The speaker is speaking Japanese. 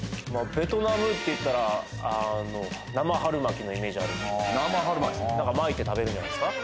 ベトナムっていったらああー生春巻きなんか巻いて食べるんじゃないですか？